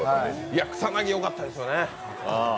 草薙、よかったですよね。